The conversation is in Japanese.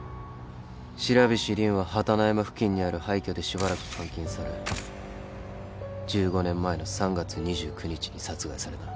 白菱凜は榛野山付近にある廃虚でしばらく監禁され１５年前の３月２９日に殺害された。